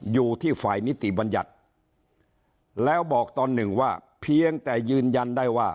อยู่ที่ฝ่ายนิติบัญญัติแล้วบอกตอนหนึ่งว่าเพียงแต่ยืนยันได้ว่า